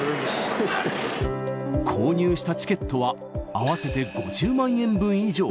購入したチケットは合わせて５０万円分以上。